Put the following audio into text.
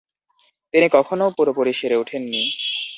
তিনি কখনও পুরাপুরি সেরে উঠেন নি।